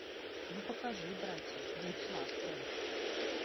Ну, пакажы, браце, будзь ласкаў.